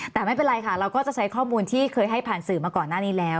แต่ไม่เป็นไรค่ะเราก็จะใช้ข้อมูลที่เคยให้ผ่านสื่อมาก่อนหน้านี้แล้ว